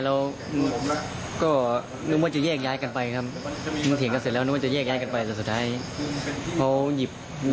เห็นหมดครับพยายามมาห้ามแล้วแต่มันห้ามไม่ได้